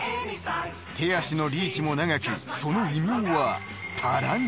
［手足のリーチも長くその異名は］